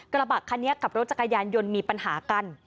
กระบะคันนี้กับรถจักรยานยนต์มีปัญหากัน